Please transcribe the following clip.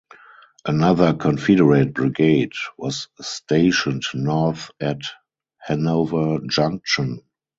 Another Confederate brigade was stationed north at Hanover Junction.